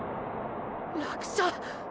落車！！